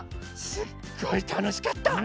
すっごいたのしかった。